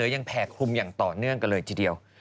แผ่คลุมอย่างต่อเนื่องกันเลยทีเดียว